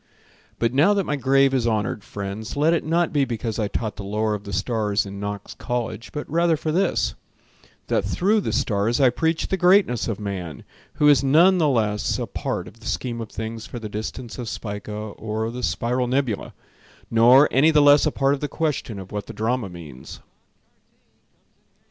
But now that my grave is honored, friends, Let it not be because I taught The lore of the stars in Knox College, But rather for this: that through the stars I preached the greatness of man, Who is none the less a part of the scheme of things For the distance of Spica or the Spiral Nebulae; Nor any the less a part of the question Of what the drama means.